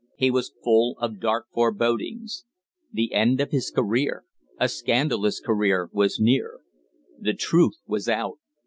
He was full of dark forebodings. The end of his career a scandalous career was near. The truth was out!